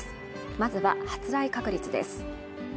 まずは発雷確率です